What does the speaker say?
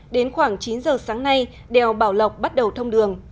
đến khoảng chín giờ sáng nay đèo bảo lộc bắt đầu thông đường